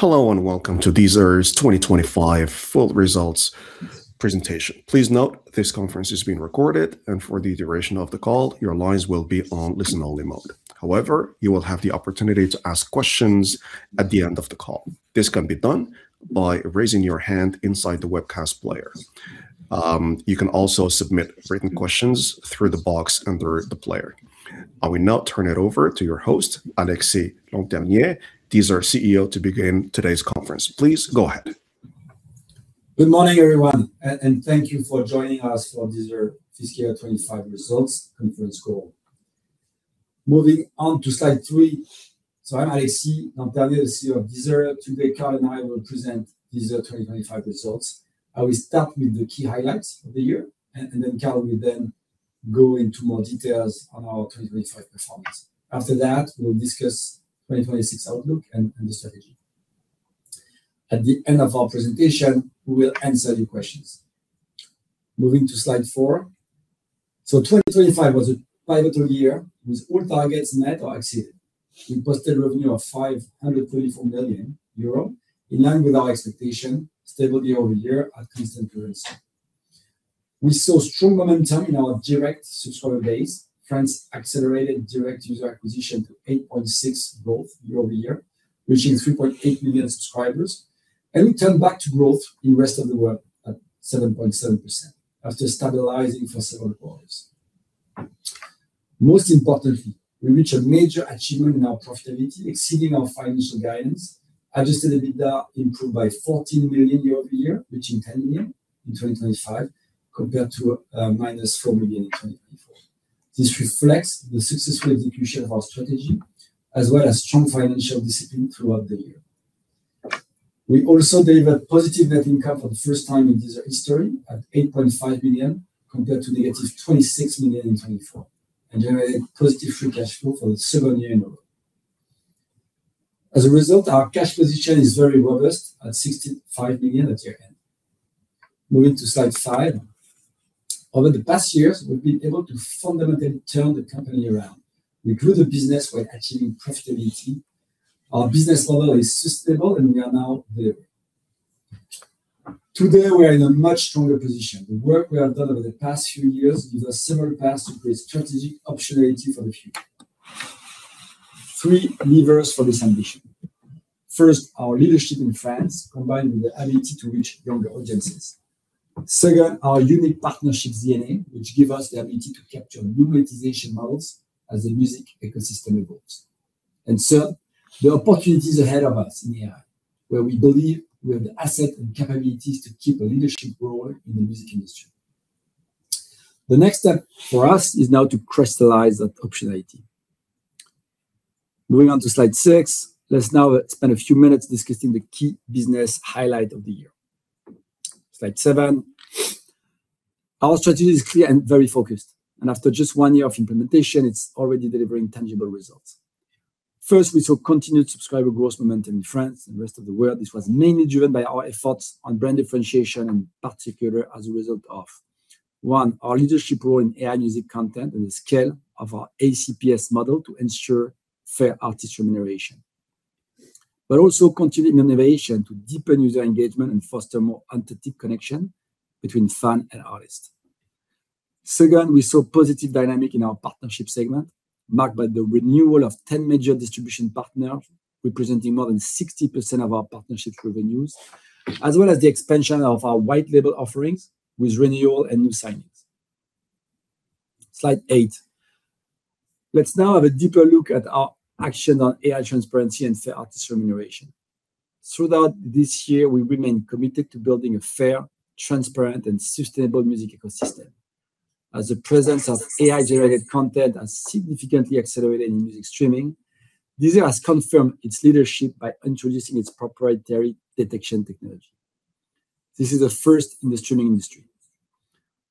Hello and welcome to Deezer's 25 full results presentation. Please note this conference is being recorded, and for the duration of the call, your lines will be on listen-only mode. However, you will have the opportunity to ask questions at the end of the call. This can be done by raising your hand inside the webcast player. You can also submit written questions through the box under the player. I will now turn it over to your host, Alexis Lanternier, Deezer CEO, to begin today's conference. Please go ahead. Good morning, everyone, and thank you for joining us for Deezer fiscal 2025 results conference call. Moving on to slide three. I'm Alexis Lanternier, the CEO of Deezer. Today, Carl and I will present Deezer 2025 results. I will start with the key highlights of the year, and then Carl will then go into more details on our 2025 performance. After that, we'll discuss 2026 outlook and the strategy. At the end of our presentation, we will answer your questions. Moving to slide four. 2025 was a pivotal year with all targets met or exceeded. We posted revenue of 534 million euro, in line with our expectation, stability year-over-year at constant currency. We saw strong momentum in our direct subscriber base. France accelerated direct user acquisition to 8.6% growth year-over-year, reaching 3.8 million subscribers. We turned back to growth in rest of the world at 7.7% after stabilizing for several quarters. Most importantly, we reached a major achievement in our profitability, exceeding our financial guidance. Adjusted EBITDA improved by 14 million year-over-year, reaching 10 million in 2025 compared to minus 4 million in 2024. This reflects the successful execution of our strategy as well as strong financial discipline throughout the year. We also delivered positive net income for the first time in Deezer history at 8.5 million, compared to negative 26 million in 2024, and generated positive free cash flow for the seventh year in a row. As a result, our cash position is very robust at 65 million at year-end. Moving to slide five. Over the past years, we've been able to fundamentally turn the company around. We grew the business while achieving profitability. Our business model is sustainable, and we are now there. Today, we are in a much stronger position. The work we have done over the past few years gives a similar path to create strategic optionality for the future. Three levers for this ambition. First, our leadership in France, combined with the ability to reach younger audiences. Second, our unique partnership DNA, which give us the ability to capture new monetization models as the music ecosystem evolves. Third, the opportunities ahead of us in AI, where we believe we have the asset and capabilities to keep a leadership role in the music industry. The next step for us is now to crystallize that optionality. Moving on to slide six. Let's now spend a few minutes discussing the key business highlight of the year. Slide seven. Our strategy is clear and very focused, and after just one year of implementation, it's already delivering tangible results. First, we saw continued subscriber growth momentum in France and rest of the world. This was mainly driven by our efforts on brand differentiation, in particular as a result of, one, our leadership role in AI music content and the scale of our UCPS model to ensure fair artist remuneration. But also continuing innovation to deepen user engagement and foster more authentic connection between fan and artist. Second, we saw positive dynamic in our partnership segment, marked by the renewal of 10 major distribution partners, representing more than 60% of our partnership revenues, as well as the expansion of our white label offerings with renewal and new signings. Slide eight. Let's now have a deeper look at our action on AI transparency and fair artist remuneration. Throughout this year, we remain committed to building a fair, transparent and sustainable music ecosystem. As the presence of AI-generated content has significantly accelerated in music streaming, Deezer has confirmed its leadership by introducing its proprietary detection technology. This is a first in the streaming industry.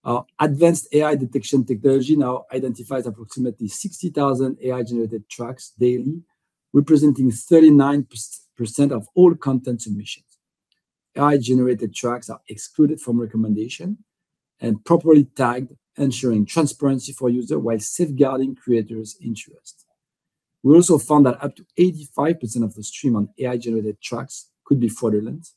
Our advanced AI detection technology now identifies approximately 60,000 AI-generated tracks daily, representing 39% of all content submissions. AI-generated tracks are excluded from recommendation and properly tagged, ensuring transparency for user while safeguarding creators' interest. We also found that up to 85% of the stream on AI-generated tracks could be fraudulent,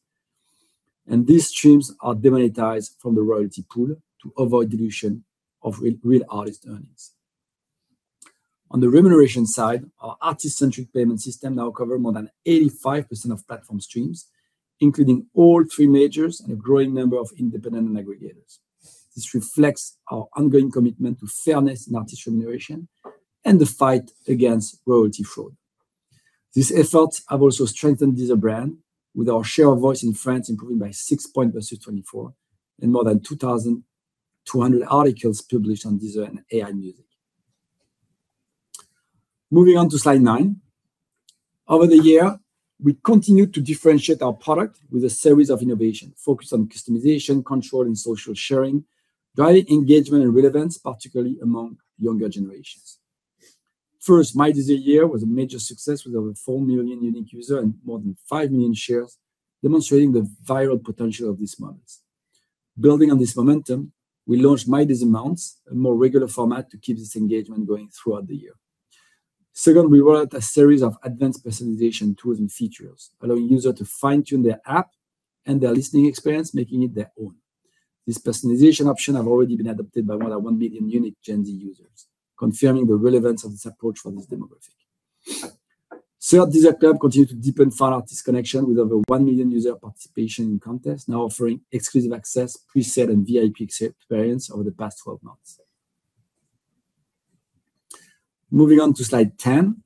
and these streams are demonetized from the royalty pool to avoid dilution of real artist earnings. On the remuneration side, our artist-centric payment system now cover more than 85% of platform streams, including all three majors and a growing number of independent aggregators. This reflects our ongoing commitment to fairness in artist remuneration and the fight against royalty fraud. These efforts have also strengthened Deezer's brand, with our share of voice in France improving by six points versus 24, and more than 2,200 articles published on Deezer and AI music. Moving on to slide nine. Over the year, we continued to differentiate our product with a series of innovations, focused on customization, control, and social sharing, driving engagement and relevance, particularly among younger generations. First, My Deezer Year was a major success with over 4 million unique users and more than 5 million shares, demonstrating the viral potential of these models. Building on this momentum, we launched My Deezer Months, a more regular format to keep this engagement going throughout the year. Second, we rolled out a series of advanced personalization tools and features, allowing users to fine-tune their app and their listening experience, making it their own. These personalization options have already been adopted by more than 1 million unique Gen Z users, confirming the relevance of this approach for this demographic. Third, Deezer Club continued to deepen fan artist connections with over 1 million users' participation in contests, now offering exclusive access, pre-sale, and VIP experience over the past 12 months. Moving on to slide 10.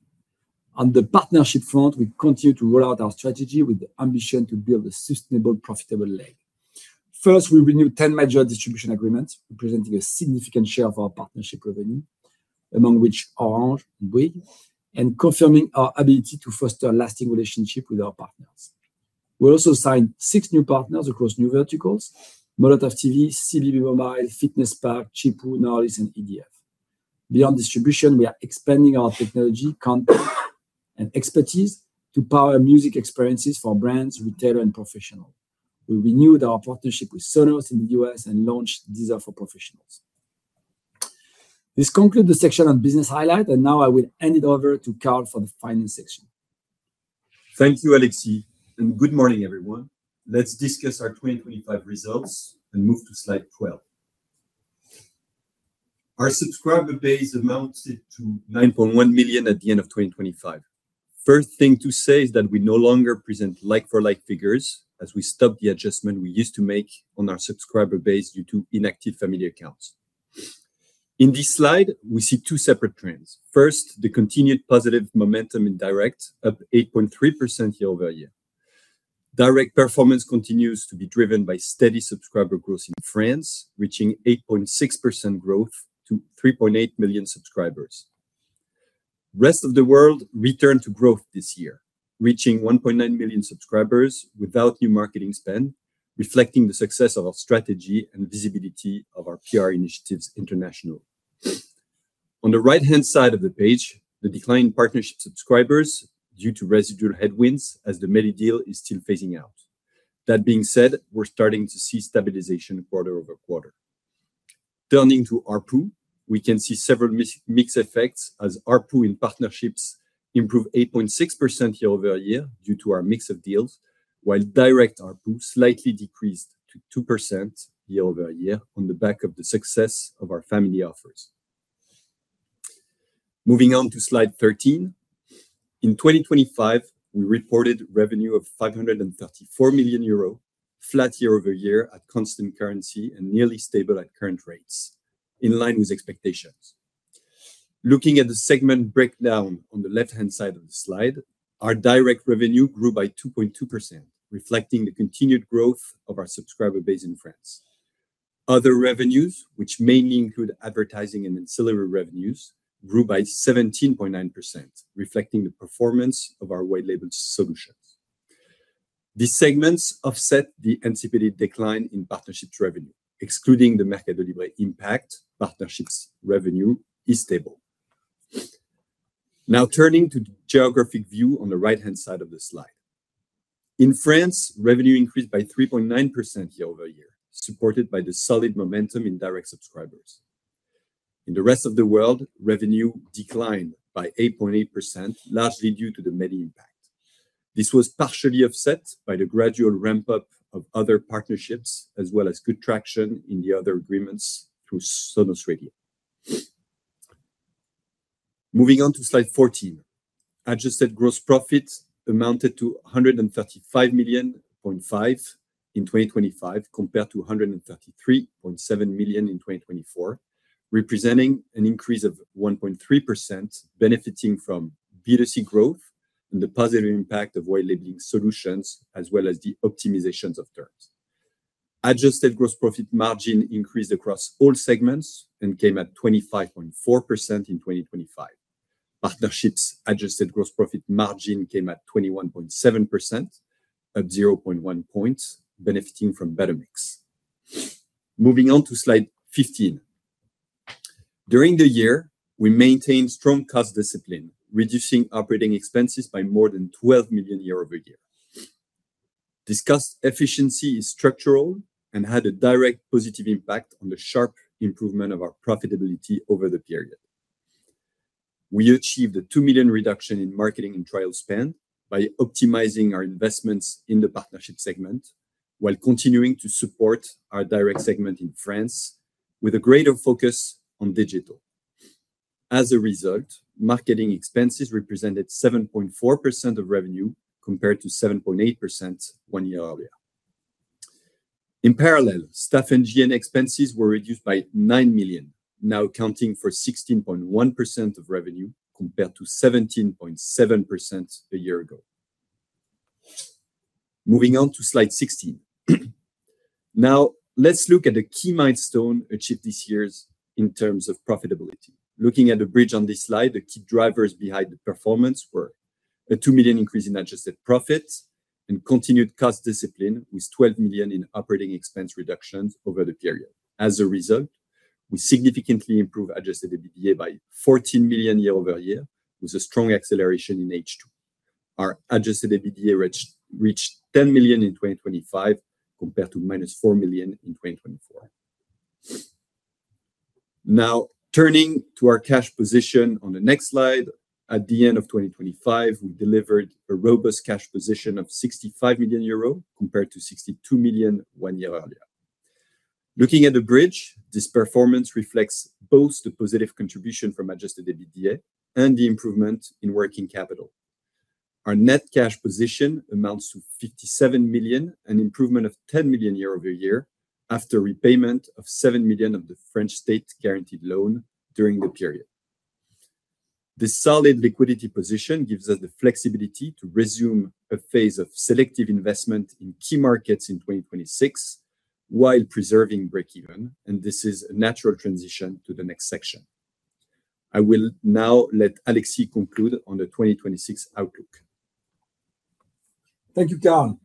On the partnership front, we continue to roll out our strategy with the ambition to build a sustainable, profitable leg. First, we renew 10 major distribution agreements, representing a significant share of our partnership revenue, among which Orange and Bouygues, and confirming our ability to foster a lasting relationship with our partners. We also signed six new partners across new verticals, Molotov TV, Coriolis Mobile, Fitness Park, Chippu, Nolej and EDF. Beyond distribution, we are expanding our technology content and expertise to power music experiences for brands, retailers, and professionals. We renewed our partnership with Sonos in the U.S. and launched Deezer for Professionals. This concludes the section on business highlights, and now I will hand it over to Carl for the finance section. Thank you, Alexis, and good morning, everyone. Let's discuss our 2025 results and move to slide 12. Our subscriber base amounted to 9.1 million at the end of 2025. First thing to say is that we no longer present like for like figures as we stop the adjustment we used to make on our subscriber base due to inactive family accounts. In this slide, we see two separate trends. First, the continued positive momentum in direct, up 8.3% year-over-year. Direct performance continues to be driven by steady subscriber growth in France, reaching 8.6% growth to 3.8 million subscribers. Rest of the world returned to growth this year, reaching 1.9 million subscribers without new marketing spend, reflecting the success of our strategy and visibility of our PR initiatives international. On the right-hand side of the page, the decline in partnership subscribers due to residual headwinds as the Meli+ deal is still phasing out. That being said, we're starting to see stabilization quarter-over-quarter. Turning to ARPU, we can see several mix effects as ARPU in partnerships improved 8.6% year-over-year due to our mix of deals, while direct ARPU slightly decreased by 2% year-over-year on the back of the success of our family offers. Moving on to slide 13. In 2025, we reported revenue of 534 million euro, flat year-over-year at constant currency and nearly stable at current rates, in line with expectations. Looking at the segment breakdown on the left-hand side of the slide, our direct revenue grew by 2.2%, reflecting the continued growth of our subscriber base in France. Other revenues, which mainly include advertising and ancillary revenues, grew by 17.9%, reflecting the performance of our white label solutions. These segments offset the anticipated decline in partnerships revenue. Excluding the Meli+ impact, partnerships revenue is stable. Now turning to the geographic view on the right-hand side of the slide. In France, revenue increased by 3.9% year-over-year, supported by the solid momentum in direct subscribers. In the rest of the world, revenue declined by 8.8%, largely due to the Meli+ impact. This was partially offset by the gradual ramp up of other partnerships, as well as good traction in the other agreements through Sonos Radio. Moving on to slide 14. Adjusted gross profits amounted to 135.5 million in 2025, compared to 133.7 million in 2024, representing an increase of 1.3%, benefiting from B2C growth and the positive impact of white labeling solutions, as well as the optimizations of terms. Adjusted gross profit margin increased across all segments and came at 25.4% in 2025. Partnerships adjusted gross profit margin came at 21.7%, up 0.1 points, benefiting from better mix. Moving on to slide 15. During the year, we maintained strong cost discipline, reducing operating expenses by more than 12 million euros year-over-year. This efficiency is structural and had a direct positive impact on the sharp improvement of our profitability over the period. We achieved a 2 million reduction in marketing and trial spend by optimizing our investments in the partnership segment while continuing to support our direct segment in France with a greater focus on digital. As a result, marketing expenses represented 7.4% of revenue compared to 7.8% one year earlier. In parallel, staff and G&A expenses were reduced by 9 million, now accounting for 16.1% of revenue compared to 17.7% a year ago. Moving on to slide 16. Now let's look at the key milestone achieved this year in terms of profitability. Looking at the bridge on this slide, the key drivers behind the performance were a 2 million increase in adjusted profits and continued cost discipline with 12 million in operating expense reductions over the period. As a result, we significantly improve adjusted EBITDA by 14 million year-over-year with a strong acceleration in H2. Our adjusted EBITDA reached 10 million in 2025 compared to -4 million in 2024. Now, turning to our cash position on the next slide. At the end of 2025, we delivered a robust cash position of 65 million euro compared to 62 million one year earlier. Looking at the bridge, this performance reflects both the positive contribution from adjusted EBITDA and the improvement in working capital. Our net cash position amounts to 57 million, an improvement of 10 million year-over-year after repayment of 7 million of the French state-guaranteed loan during the period. This solid liquidity position gives us the flexibility to resume a phase of selective investment in key markets in 2026 while preserving break-even, and this is a natural transition to the next section. I will now let Alexis conclude on the 2026 outlook. Thank you, Carl.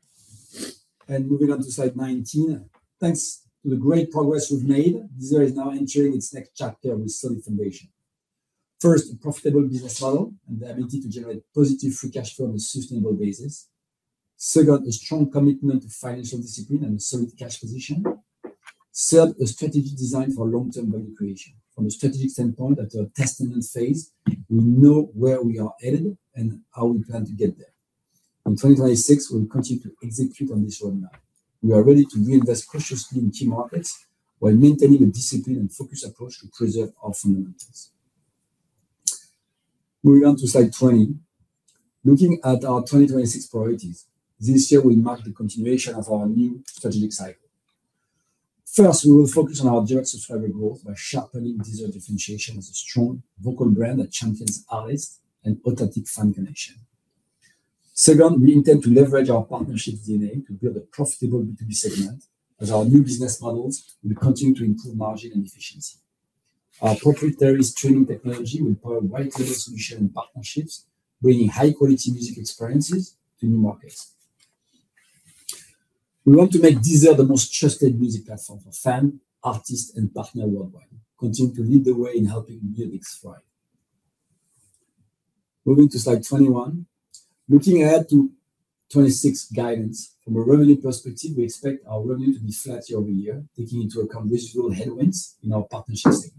Moving on to slide 19. Thanks to the great progress we've made, Deezer is now entering its next chapter with solid foundation. First, a profitable business model and the ability to generate positive free cash flow on a sustainable basis. Second, a strong commitment to financial discipline and a solid cash position. Third, a strategic design for long-term value creation. From a strategic standpoint, at a testament phase, we know where we are headed and how we plan to get there. In 2026, we'll continue to execute on this roadmap. We are ready to reinvest cautiously in key markets while maintaining a disciplined and focused approach to preserve our fundamentals. Moving on to slide 20. Looking at our 2026 priorities, this year will mark the continuation of our new strategic cycle. First, we will focus on our direct subscriber growth by sharpening Deezer differentiation as a strong, vocal brand that champions artists and authentic fan connection. Second, we intend to leverage our partnership DNA to build a profitable B2B segment, as our new business models will continue to improve margin and efficiency. Our proprietary streaming technology will power white label solution and partnerships, bringing high-quality music experiences to new markets. We want to make Deezer the most trusted music platform for fan, artist, and partner worldwide, continuing to lead the way in helping music thrive. Moving to slide 21. Looking ahead to 2026 guidance, from a revenue perspective, we expect our revenue to be flat year-over-year, taking into account visible headwinds in our partnership segment.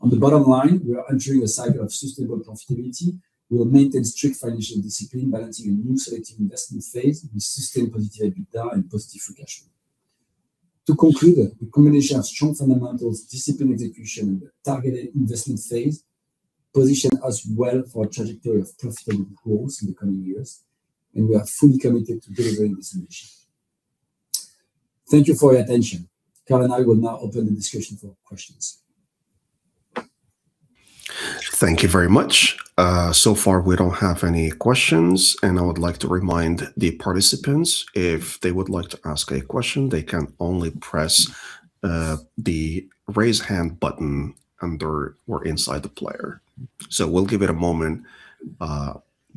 On the bottom line, we are entering a cycle of sustainable profitability. We will maintain strict financial discipline, balancing a new selective investment phase with sustained positive EBITDA and positive free cash flow. To conclude, the combination of strong fundamentals, disciplined execution, and targeted investment phase position us well for a trajectory of profitable growth in the coming years, and we are fully committed to delivering this mission. Thank you for your attention. Carl and I will now open the discussion for questions. Thank you very much. So far, we don't have any questions, and I would like to remind the participants, if they would like to ask a question, they can only press the raise hand button under or inside the player. We'll give it a moment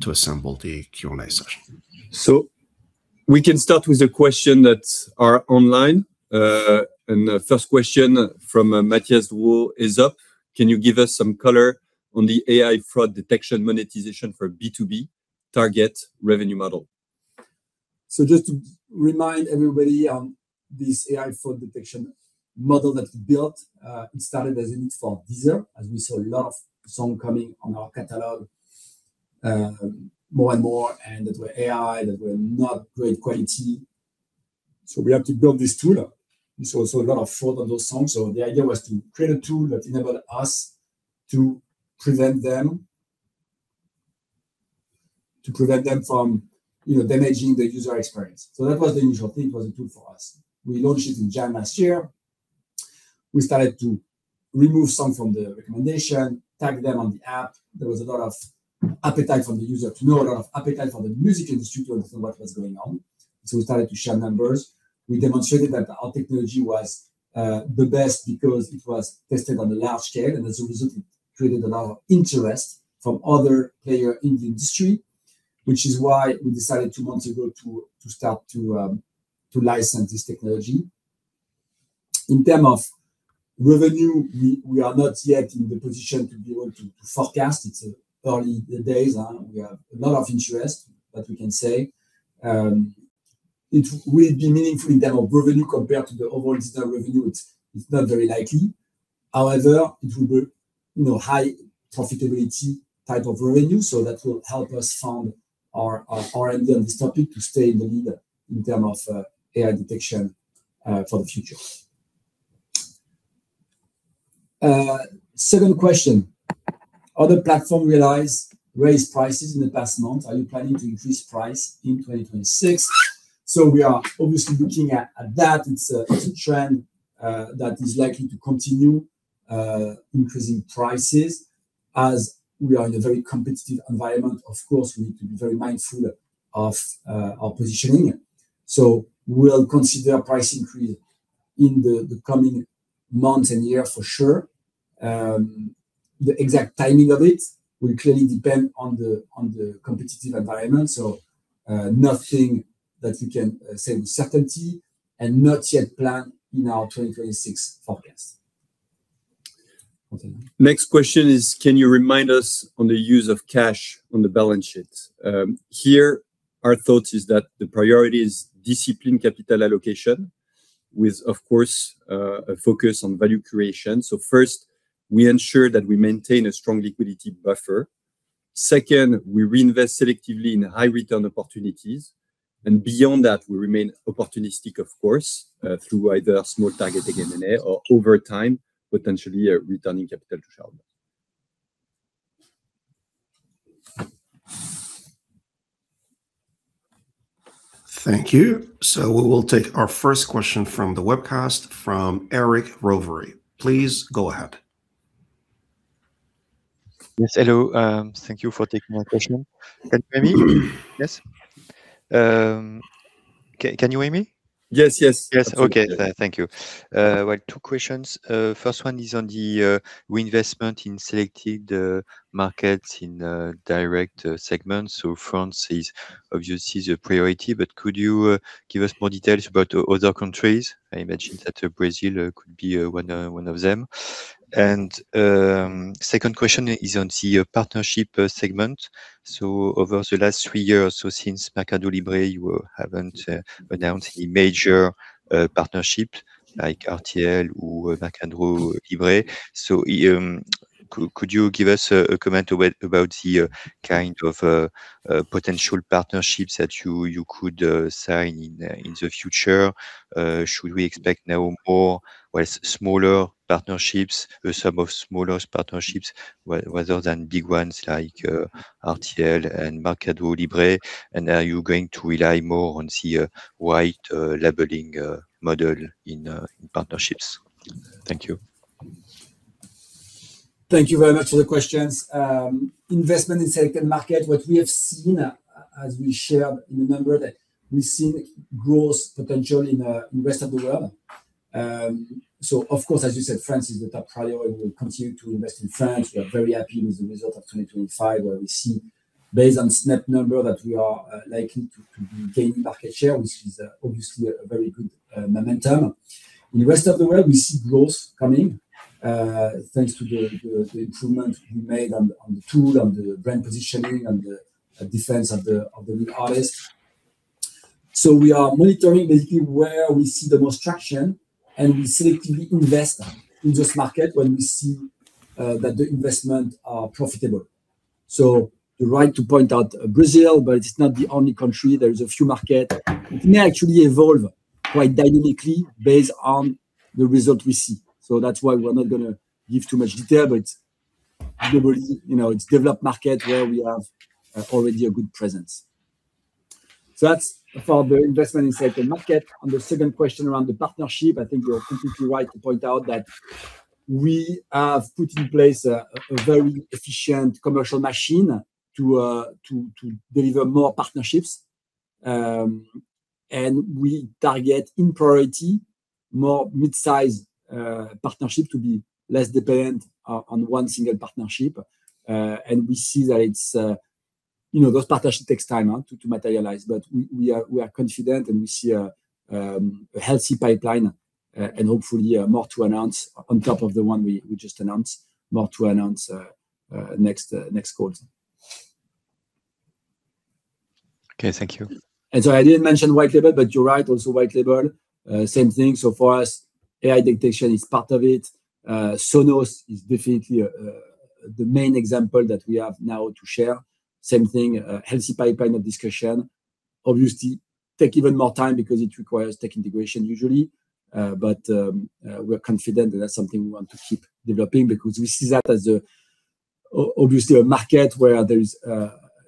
to assemble the Q&A session. We can start with the question that are online. The first question from Matthias Wu is, can you give us some color on the AI fraud detection monetization for B2B target revenue model? Just to remind everybody on this AI fraud detection model that we built, it started as a need for Deezer, as we saw a lot of song coming on our catalog, more and more, and that were AI, that were not great quality. We had to build this tool. We saw a lot of fraud on those songs, so the idea was to create a tool that enabled us to prevent them from, you know, damaging the user experience. That was the initial thing. It was a tool for us. We launched it in January last year. We started to remove some from the recommendation, tag them on the app. There was a lot of appetite from the user to know, a lot of appetite from the music industry to understand what was going on. We started to share numbers. We demonstrated that our technology was the best because it was tested on a large scale, and as a result, it created a lot of interest from other players in the industry, which is why we decided two months ago to start to license this technology. In terms of revenue, we are not yet in the position to be able to forecast. It's early days. We have a lot of interest, that we can say. It will be meaningful in terms of revenue compared to the overall Deezer revenue. It's not very likely. However, it will be, you know, high profitability type of revenue, so that will help us fund our R&D on this topic to stay in the lead in terms of AI detection for the future. Second question. Other platforms have raised prices in the past month. Are you planning to increase prices in 2026? We are obviously looking at that. It's a trend that is likely to continue increasing prices. As we are in a very competitive environment, of course, we need to be very mindful of our positioning. We'll consider a price increase in the coming months and years for sure. The exact timing of it will clearly depend on the competitive environment. Nothing that we can say with certainty and not yet planned in our 2026 forecast. Next question is, can you remind us of the use of cash on the balance sheet? Our thought is that the priority is disciplined capital allocation with, of course, a focus on value creation. First, we ensure that we maintain a strong liquidity buffer. Second, we reinvest selectively in high return opportunities. Beyond that, we remain opportunistic, of course, through either small targeted M&A or over time, potentially, returning capital to shareholders. Thank you. We will take our first question from the webcast from Eric Rovere. Please go ahead. Yes. Hello. Thank you for taking my question. Can you hear me? Yes? Can you hear me? Yes, yes. Yes. Okay. Thank you. Well, two questions. First one is on the reinvestment in selected markets in direct segments. France is obviously the priority, but could you give us more details about other countries? I imagine that Brazil could be one of them. Second question is on the partnership segment. Over the last three years, since Mercado Libre, you haven't announced any major partnership like RTL or Mercado Libre. Could you give us a comment about the kind of potential partnerships that you could sign in the future? Should we expect now more, well, smaller partnerships, a sum of smaller partnerships rather than big ones like RTL and Mercado Libre? Are you going to rely more on the white label model in partnerships? Thank you. Thank you very much for the questions. Investment in selected markets, what we have seen as we share in the numbers that we've seen growth potential in the rest of the world. Of course, as you said, France is the top priority, and we'll continue to invest in France. We are very happy with the results of 2025, where we see based on SNEP numbers that we are likely to gain market share, which is obviously a very good momentum. In the rest of the world, we see growth coming, thanks to the improvements we made on the tool and the brand positioning and the defense of the artists. We are monitoring basically where we see the most traction, and we selectively invest in these markets when we see that the investments are profitable. You're right to point out Brazil, but it's not the only country. There are a few markets. It may actually evolve quite dynamically based on the results we see. That's why we're not gonna give too much detail. It's globally, you know, it's developed markets where we have already a good presence. That's for the investment in selected markets. On the second question around the partnership, I think you're completely right to point out that we have put in place a very efficient commercial machine to deliver more partnerships. And we target in priority more mid-size partnerships to be less dependent on one single partnership. We see that it's you know those partnership takes time out to materialize but we are confident and we see a healthy pipeline and hopefully more to announce on top of the one we just announced more to announce next quarter. Okay. Thank you. I didn't mention white label, but you're right. Also white label, same thing. For us, AI detection is part of it. Sonos is definitely the main example that we have now to share. Same thing, healthy pipeline of discussion. Obviously, take even more time because it requires tech integration usually. But we're confident that that's something we want to keep developing because we see that as obviously a market where there is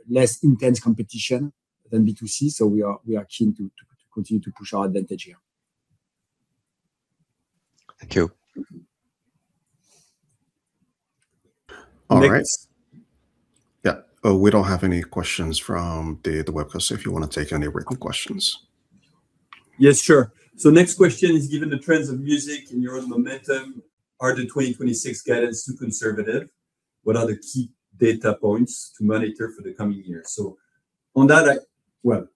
less intense competition than B2C. We are keen to continue to push our advantage here. Thank you. All right. Next. Yeah. We don't have any questions from the webcast, so if you wanna take any written questions. Yes, sure. Next question is, given the trends of music and your own momentum, are the 2026 guidance too conservative? What are the key data points to monitor for the coming year? On that, well,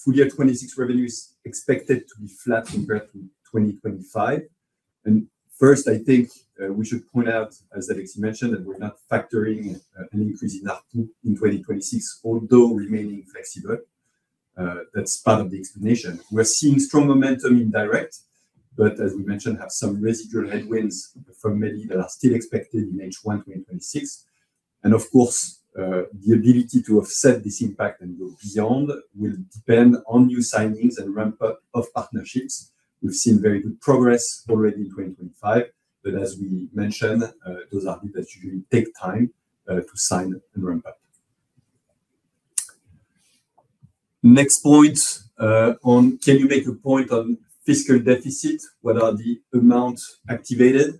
full year 2026 revenue is expected to be flat compared to 2025. First, I think, we should point out, as Alexis mentioned, that we're not factoring an increase in NRPU in 2026, although remaining flexible. That's part of the explanation. We're seeing strong momentum in direct, but as we mentioned, have some residual headwinds from Meli+ that are still expected in H1 2026. Of course, the ability to offset this impact and go beyond will depend on new signings and ramp-up of partnerships. We've seen very good progress already in 2025, but as we mentioned, those are deals that usually take time to sign and ramp up. Next point, on can you make a point on fiscal deficit? What are the amounts activated?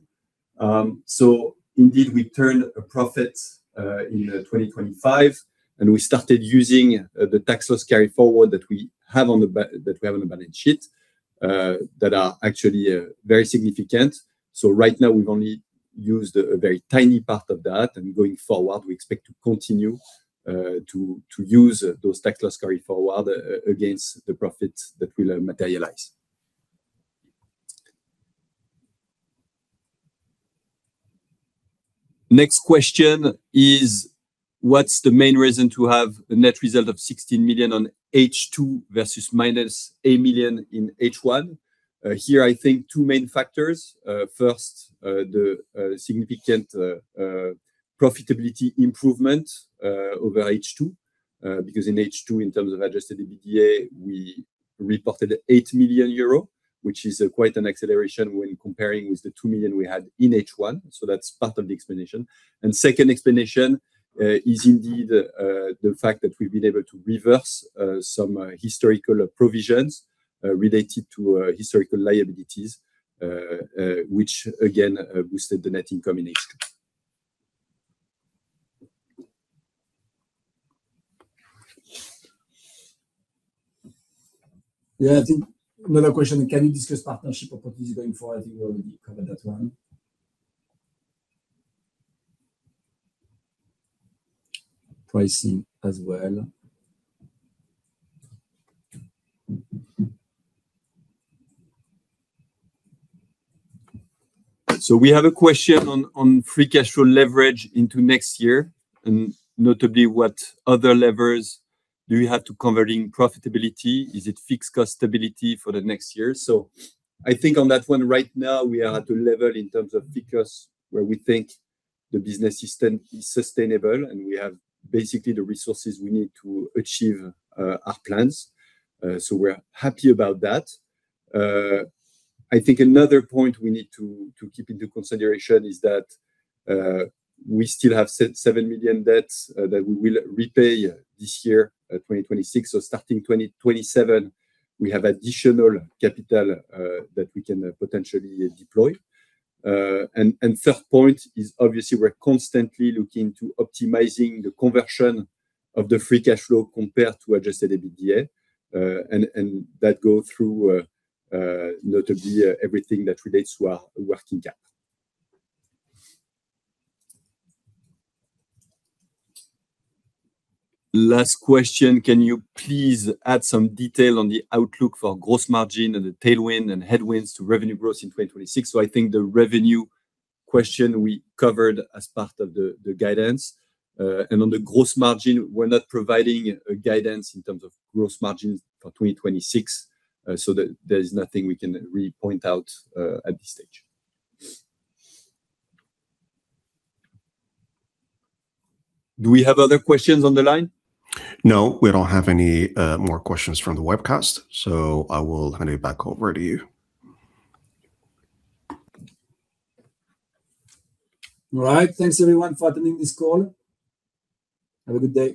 Indeed, we turned a profit in 2025, and we started using the tax loss carry forward that we have on the balance sheet that are actually very significant. Right now we've only used a very tiny part of that, and going forward, we expect to continue to use those tax loss carry forward against the profits that will materialize. Next question is: What's the main reason to have a net result of 16 million in H2 versus -8 million in H1? I think two main factors. First, the significant profitability improvement over H2, because in H2, in terms of adjusted EBITDA, we reported 8 million euro, which is quite an acceleration when comparing with the 2 million we had in H1. That's part of the explanation. Second explanation is indeed the fact that we've been able to reverse some historical provisions related to historical liabilities, which again boosted the net income in H2. I think another question, can you discuss partnership opportunities going forward? I think we already covered that one. Pricing as well. We have a question on free cash flow leverage into next year, and notably, what other levers do you have to convert to profitability? Is it fixed cost stability for the next year? I think on that one, right now we are at a level in terms of figures where we think the business is sustainable, and we have basically the resources we need to achieve our plans. We're happy about that. I think another point we need to keep in consideration is that we still have 7 million debt that we will repay in 2026. Starting 2027, we have additional capital that we can potentially deploy. Third point is obviously we're constantly looking to optimizing the conversion of the free cash flow compared to adjusted EBITDA, and that goes through, notably, everything that relates to our working capital. Last question: Can you please add some detail on the outlook for gross margin and the tailwind and headwinds to revenue growth in 2026? I think the revenue question we covered as part of the guidance. And on the gross margin, we're not providing a guidance in terms of gross margins for 2026, there is nothing we can really point out at this stage. Do we have other questions on the line? No, we don't have any more questions from the webcast, so I will hand it back over to you. All right. Thanks everyone for attending this call. Have a good day.